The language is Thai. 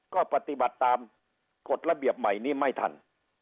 ก็ปฏิบัติตามกฎระเบียบใหม่นี้ไม่ทัน